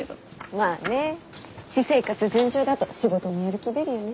まあね私生活順調だと仕事もやる気出るよね。